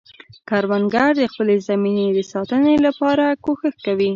کروندګر د خپلې زمینې د ساتنې لپاره کوښښ کوي